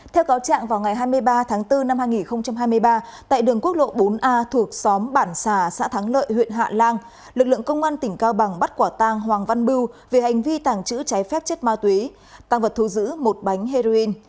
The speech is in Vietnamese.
theo cáo trạng vào ngày hai mươi ba tháng bốn năm hai nghìn hai mươi ba tại đường quốc lộ bốn a thuộc xóm bản xà xã thắng lợi huyện hạ lan lực lượng công an tỉnh cao bằng bắt quả tang hoàng văn bưu về hành vi tàng trữ trái phép chất ma túy tăng vật thu giữ một bánh heroin